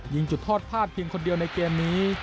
ยิงจุดทอดภาพเพียงคนเดียวในเกมนี้